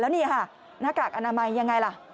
นี่ค่ะหน้ากากอนามัยยังไงล่ะ